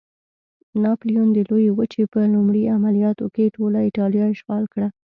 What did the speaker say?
ناپلیون د لویې وچې په لومړي عملیاتو کې ټوله اېټالیا اشغال کړه.